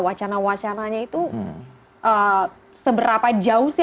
wacana wacananya itu seberapa jauh sih